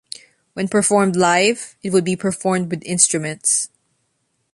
When performed live, it would be performed with instruments.